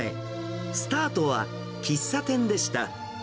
スタートは喫茶店でした。